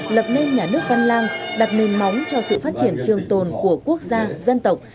lập nên nhà nước văn lang đặt nền móng cho sự phát triển trường tồn của quốc gia dân tộc